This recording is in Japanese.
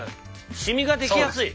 シミが出来やすい。